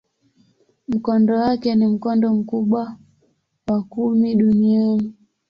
Mkondo wake ni mkondo mkubwa wa kumi duniani.